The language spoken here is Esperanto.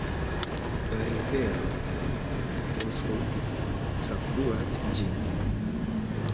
La rivero Unstrut trafluas ĝin.